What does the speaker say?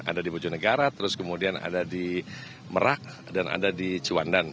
ada di bojonegara terus kemudian ada di merak dan ada di ciwandan